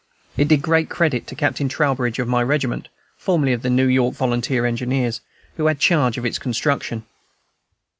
It did great credit to Captain Trowbridge, of my regiment (formerly of the New York Volunteer Engineers), who had charge of its construction.